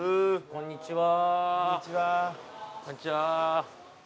こんにちは